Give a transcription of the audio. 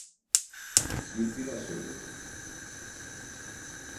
Bir bira söyledim.